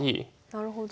なるほど。